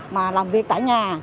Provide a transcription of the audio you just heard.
mà làm việc tại nhà